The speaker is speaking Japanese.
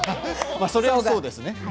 それはそうですね。